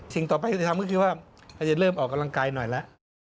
ต่อไปจะทำก็คือว่าเราจะเริ่มออกกำลังกายหน่อยแล้ว